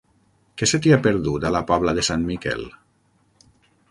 Què se t'hi ha perdut, a la Pobla de Sant Miquel?